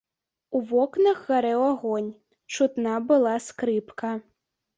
У вокнах гарэў агонь, чутна была скрыпка.